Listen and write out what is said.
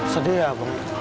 sedih ya bu